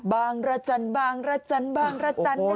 บางระจันทร์บางระจันทร์บางระจันทร์ได้ไหม